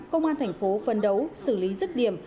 công an thành phố phân đấu xử lý rứt điểm